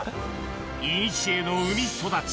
いにしえの海育ち